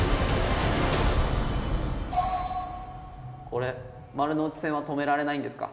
これ丸ノ内線は止められないんですか？